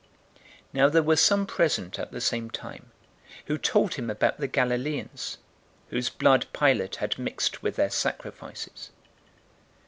}" 013:001 Now there were some present at the same time who told him about the Galileans, whose blood Pilate had mixed with their sacrifices.